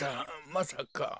まさか。